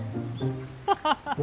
ハハハハッ！